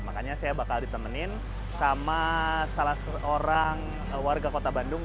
makanya saya bakal ditemenin sama salah seorang warga kota bandung